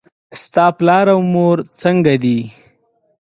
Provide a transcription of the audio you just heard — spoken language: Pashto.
ستا پلار او مور څنګه دي؟